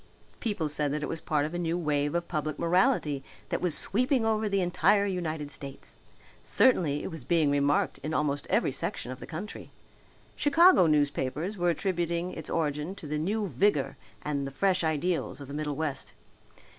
People said that it was part of a new wave of public morality that was sweeping over the entire United States. Certainly it was being remarked in almost every section of the country. Chicago newspapers were attributing its origin to the new vigour and the fresh ideals of the middle west.